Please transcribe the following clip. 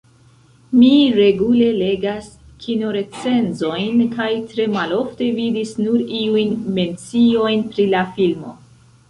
Mi regule legas kinorecenzojn, kaj tre malofte vidis nur iujn menciojn pri la filmo.